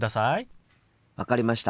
分かりました。